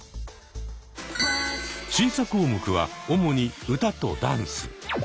審査項目は主に歌とダンス。